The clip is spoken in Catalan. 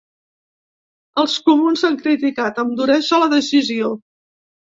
Els comuns han criticat amb duresa la decisió.